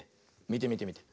みてみてみて。